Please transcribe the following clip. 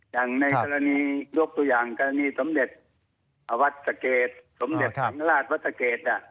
อย่างในกรณียกตัวอย่างกรณีสนเด็จอาวัฒนศักดิ์เกตสนเด็จศังราชวัฒนศักดิ์เกตอ่ะ